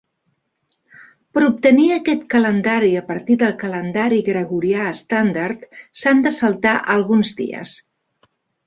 Per a obtenir aquest calendari a partir del calendari gregorià estàndard, s'han de saltar alguns dies.